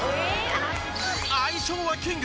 愛称はキング。